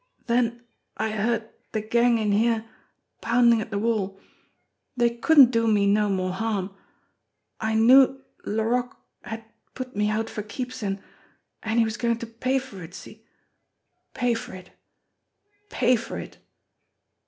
Den I heard de gang in here poundin' at de wall. Dey couldn't do me no more harm. I knew Laroque had put me out for keeps, an' an' he was goin' to pay for it see? pay for it pay for it.